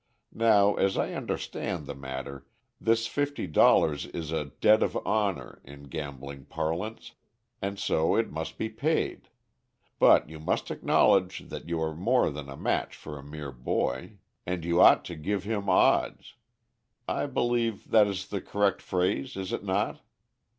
Now, as I understand the matter, this fifty dollars is 'a debt of honor,' in gambling parlance, and so it must be paid. But you must acknowledge that you are more than a match for a mere boy, and you ought to 'give him odds.' I believe that is the correct phrase, is it not?"